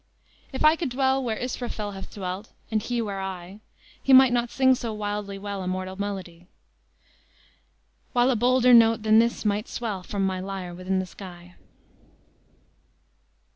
"If I could dwell Where Israfel Hath dwelt, and he where I, He might not sing so wildly well A mortal melody, While a bolder note than this might swell From my lyre within the sky!"